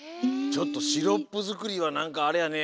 ちょっとシロップづくりはなんかあれやね